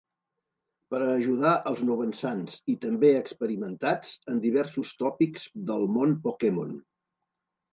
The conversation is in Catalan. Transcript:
Per a ajudar als novençans i, també experimentats, en diversos tòpics del món pokémon.